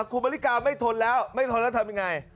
คุณมริกาไม่ทนแล้วไม่ทนแล้วทำยังไง